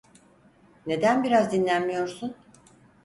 Neden biraz dinlenmiyorsun?